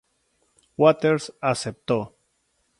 Waters aceptó.